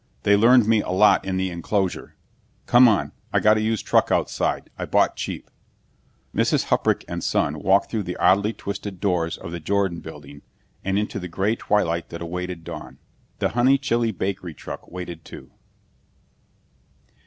They learned me a lot in the enclosure. Come on. I got a used truck outside, I bought cheap." Mrs. Huprich and son walked through the oddly twisted doors of the Jordon Building and into the gray twilight that awaited dawn. The Honeychile Bakery truck waited too.